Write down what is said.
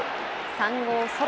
３号ソロ。